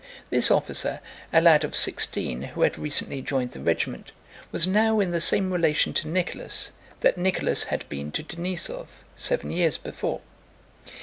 This officer, a lad of sixteen who had recently joined the regiment, was now in the same relation to Nicholas that Nicholas had been to Denísov seven years before.